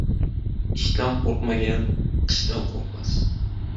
Ishdan qo'rqmagan — qishdan qo'rqmas.